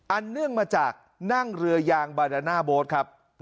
เนื่องมาจากนั่งเรือยางบาดาน่าโบ๊ทครับ